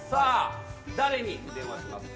誰に電話しますか？